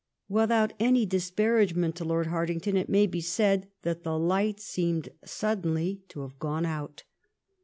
Without any disparagement to Lord Hart ington, it may be said that the light seemed sud denly to have gone out.